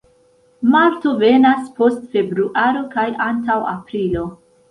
Marto venas post februaro kaj antaŭ aprilo.